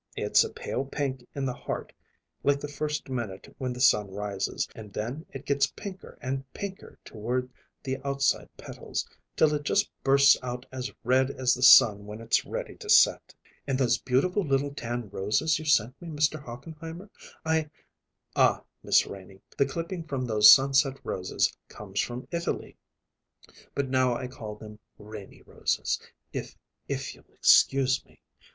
It's a pale pink in the heart like the first minute when the sun rises; and then it gets pinker and pinker toward the outside petals, till it just bursts out as red as the sun when it's ready to set." "And those beautiful little tan roses you sent me, Mr. Hochenheimer; I " "Ah, Miss Renie, the clipping from those sunset roses comes from Italy; but now I call them Renie Roses, if if you'll excuse me.